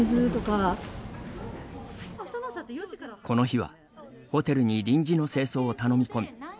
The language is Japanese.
この日はホテルに臨時の清掃を頼み込み